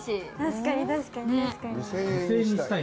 確かに確かに。